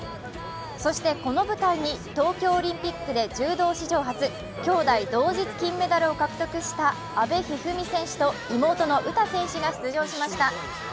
そしてこの舞台に東京オリンピックで柔道史上初、きょうだい同日金メダルを獲得した阿部一二三選手と妹の詩選手が出場しました。